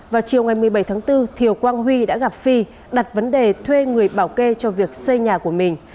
vào chiều ngày một mươi bảy tháng bốn thiều quang huy đã gặp phi đặt vấn đề thuê người bảo kê cho việc xây nhà của mình